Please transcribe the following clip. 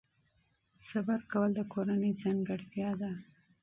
صبر کول د کورنۍ ځانګړتیا ده.